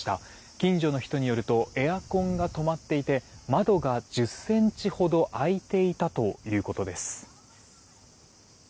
近所の人によるとエアコンが止まっていて窓が１０ｃｍほど開いていたということです。